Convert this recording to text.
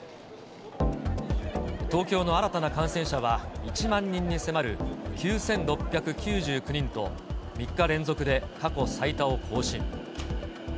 東京の新たな感染者は１万人に迫る９６９９人と、３日連続で過去最多を更新。